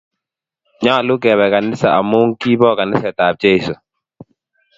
nyalun kebe kanisa amun kibo kaniset ab cheso